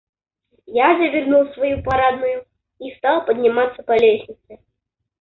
Я завернул в свою парадную и стал подниматься по лестнице.